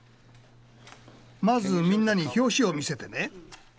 まずみんなに表紙を見せてね。